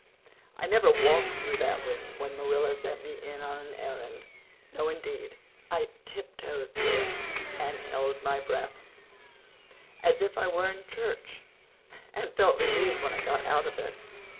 I never walked through that room when Marilla sent me in on an errand—no, indeed, I tiptoed through it and held my breath, as if I were in church, and felt relieved when I got out of it.